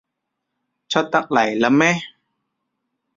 出得嚟喇咩？